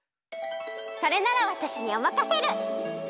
それならわたしにおまかシェル！